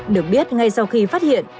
được biết ngay sau khi phát hiện